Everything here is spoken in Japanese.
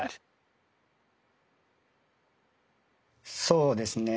そうですね